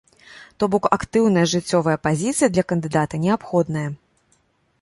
То бок, актыўная жыццёвая пазіцыя для кандыдата неабходная.